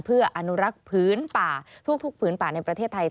เพื่ออนุรักษ์พื้นป่าทุกผืนป่าในประเทศไทย